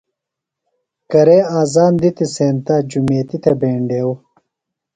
کرے آذان دِتی سینتہ جُمیتی تھےۡ بینڈیوۡ۔